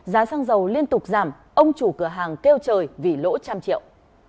giá xăng dầu liên tục giảm ông chủ cửa hàng kêu trời vì lỗ trăm triệu